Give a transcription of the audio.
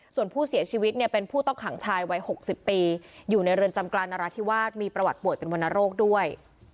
ส่วนผู้เสียชีวิตเนี่ยเป็นผู้ต้องขังชายวัย๖๐ปีอยู่ในเรือนจำกลางนราธิวาสมีประวัติป่วยเป็นวรรณโรคด้วย